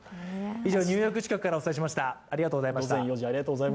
以上、ニューヨーク支局からお届けしました。